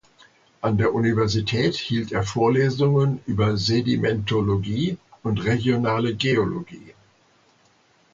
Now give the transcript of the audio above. An der Universität hielt er Vorlesungen über Sedimentologie und regionale Geologie.